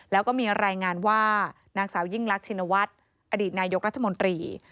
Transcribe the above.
แล้วก็มีรายงานว่านางสาวยิ่งรักชินวัฒน์อดีตนายกรัฐมนตรี